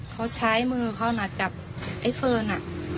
เขาใช้มือเขาจับไอเฟิร์น